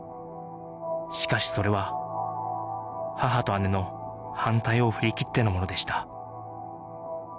しかしそれは母と姉の反対を振り切ってのものでした